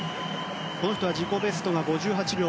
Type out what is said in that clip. この人は自己ベストが５３秒３９。